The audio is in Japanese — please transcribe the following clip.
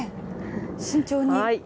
慎重に。